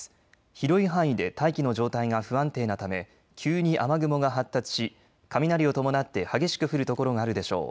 広い範囲で大気の状態が不安定なため急に雨雲が発達し雷を伴って激しく降る所があるでしょう。